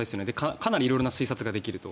かなり色々な推察ができると。